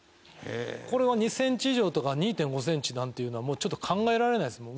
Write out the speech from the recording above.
これは２センチ以上とか２．５センチなんていうのはちょっと考えられないですもん。